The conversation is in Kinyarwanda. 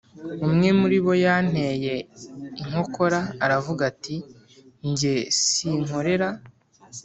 Umwe muri bo yanteye inkokora aravuga ati jye sinkorera